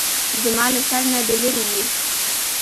زما له سر نه دې لېرې وي.